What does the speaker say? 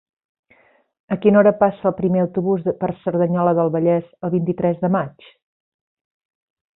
A quina hora passa el primer autobús per Cerdanyola del Vallès el vint-i-tres de maig?